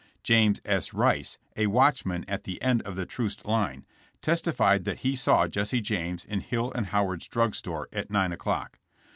James S. Rice, a watchman at the end of the Troost line, testified that he saw Jesse James in Hill & Howard's drug store at 9 o'clock.